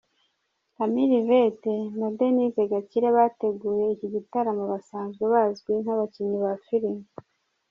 Camille Yvette na Denise Gakire bateguye iki gitaramo, basanzwe bazwi nk'abakinnyi ba filime.